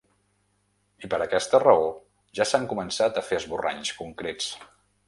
I per aquesta raó ja s’han començat a fer esborranys concrets.